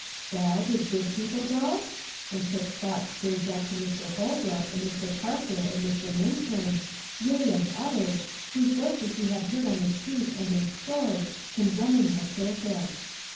Well, did good people go? and Tip's thoughts strayed back to Mr. Holbrook, and Mr. Parker, and Mr. Minturn, yea, and others, whose voices he had heard on the streets and in stores, condemning the circus.